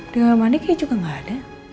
di rumah nikah juga gak ada